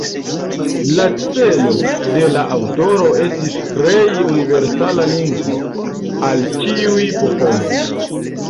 La celo de la aŭtoro estis krei universala lingvo al ĉiuj popoloj.